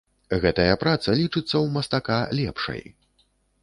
Гэтая праца лічыцца ў мастака лепшай.